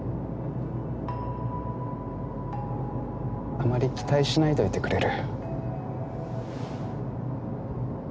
あまり期待しないでおいてくれる？